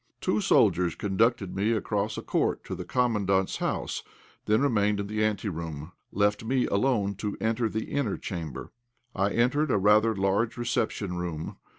Two soldiers conducted me across a court to the Commandant's house, then, remaining in the ante room, left me to enter alone the inner chamber. I entered a rather large reception room.